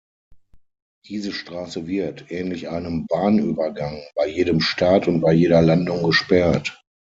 Diese Straße wird, ähnlich einem Bahnübergang, bei jedem Start und bei jeder Landung gesperrt.